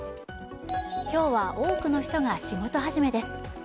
今日は多くの人が仕事始めです。